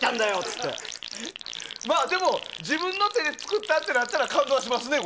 自分の手で作ったってなったら感動はしますね。